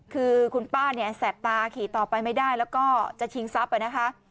คือคุณป้าเนี่ยแสบตาขี่ต่อไปไม่ได้แล้วก็จะชิงทรัพย์นะคะ